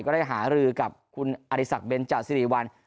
ได้หารือกับคุณอริสักเบนจาสิริวัล